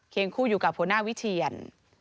เค้งคู่อยู่กับผู้หน้าวิเทียน